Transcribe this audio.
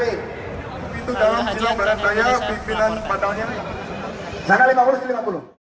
itu dalam silam barat daya pimpinan padangnya